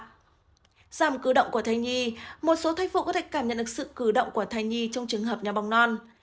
giảm cử động của thai nhi một số thai phụ có thể cảm nhận được sự cử động của thai nhi trong trường hợp nhà bóng non